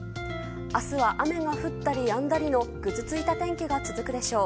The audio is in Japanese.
明日は雨が降ったりやんだりのぐずついた天気が続くでしょう。